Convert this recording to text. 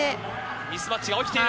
ミスマッチが起きている。